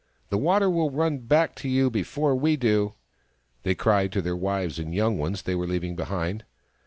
" The water will run back to you before we do !" they cried to the wives and young ones they were leaving behind.